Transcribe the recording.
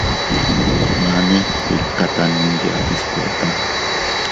Mane iʼkata nunyadis kota.